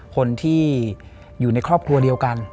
คนที่อยู่ในครอบครัวเดียวกัน